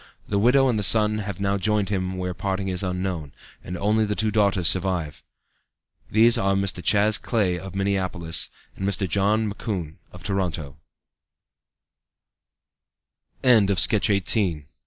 The widow and the son have now joined him where parting is unknown, and only the two daughters survive. These are Mrs. Chas. Clay, of Minneapolis, and Mrs. John McCoun, of Toronto. HON. JAMES SUTHERLAND, M.P. Sketch XIX. HON.